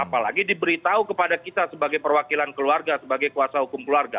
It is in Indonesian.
apalagi diberitahu kepada kita sebagai perwakilan keluarga sebagai kuasa hukum keluarga